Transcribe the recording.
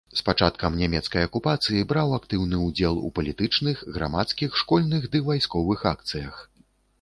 З пачаткам нямецкай акупацыі браў актыўны ўдзел у палітычных, грамадскіх, школьных ды вайсковых акцыях.